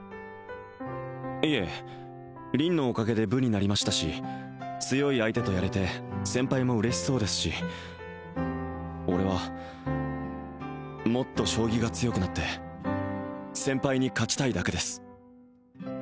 いえ凛のおかげで部になりましたし強い相手とやれて先輩も嬉しそうですし俺はもっと将棋が強くなって先輩に勝ちたいだけです